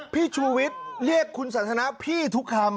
พี่ชูวิทย์เรียกคุณสันทนาพี่ทุกคำ